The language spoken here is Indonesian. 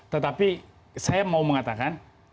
tetapi saya mau mengatakan